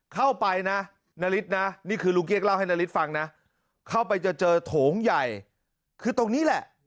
เข้าไปนะนาริสนะนี่คือลุงเก๊กเล่าให้นาริสฟังนะเข้าไปจะเจอโถงใหญ่คือตรงนี้แหละ